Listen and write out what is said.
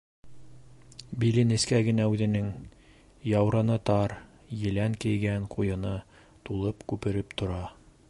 Биле нескә генә үҙенең, яурыны тар, елән кейгән ҡуйыны тулып-күпереп тора.